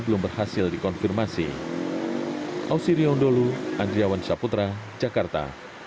belum berhasil dikonfirmasi auxirio ndolu andriawan saputra jakarta